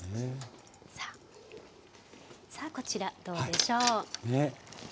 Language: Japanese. さあこちらどうでしょう。